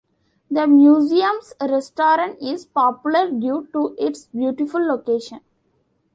The museum's restaurant is popular due to its beautiful location.